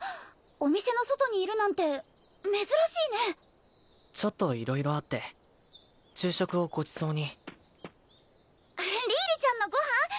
お店の外にいるなんて珍しいねちょっと色々あって昼食をごちそうにリーリちゃんのご飯？